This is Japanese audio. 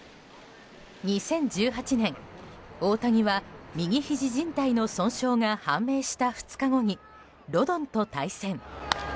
２０１８年、大谷は右ひじじん帯の損傷が判明した２日後にロドンと対戦。